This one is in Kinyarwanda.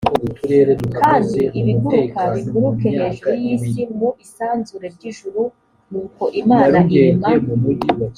kandi ibiguruka biguruke hejuru y’isi mu isanzure ry’ijuru. nuko imana irema